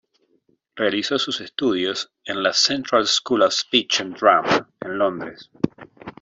Realizó sus estudios en la Central School of Speech and Drama en Londres.